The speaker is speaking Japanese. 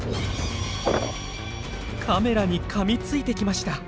カメラにかみついてきました。